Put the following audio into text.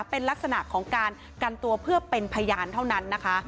เป็นลักษณะของการกันตัวเพื่อเป็นพยานเท่านั้นนะคะ